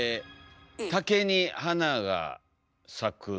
「竹に花が咲く」。